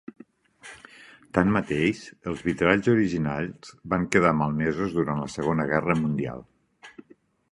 Tanmateix, els vitralls originals van quedar malmesos durant la Segona Guerra Mundial.